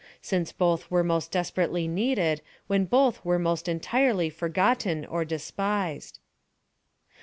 —since both were most desperately needed when both were most entirely forgotten or despised.